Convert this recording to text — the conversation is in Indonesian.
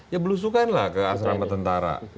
ya belusukanlah ke asrama tentara